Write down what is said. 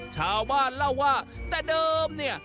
ชาวบ้านเล่าว่าแต่เดิมเนี่ย